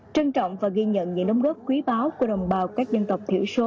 trân trọng và ghi nhận những nông gốc quý báo của đồng bào các dân tộc thiểu số